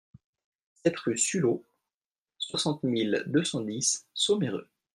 sept rue Suleau, soixante mille deux cent dix Sommereux